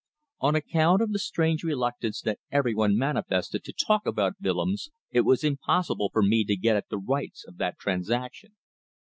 On account of the strange reluctance that everyone manifested to talk about Willems it was impossible for me to get at the rights of that transaction.